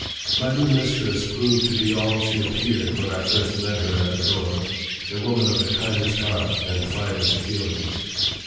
MY new mistress proved to be all she appeared when I first met her at the door, a woman of the kindest heart and finest feelings.